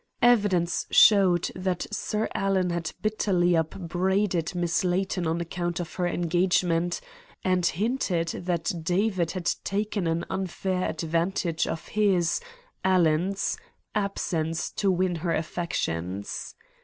"Evidence showed that Sir Alan had bitterly upbraided Miss Layton on account of her engagement, and hinted that David had taken an unfair advantage of his (Alan's) absence to win her affections.